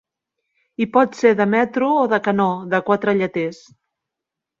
I Pot ser de metro o de canó, de quatre lleters.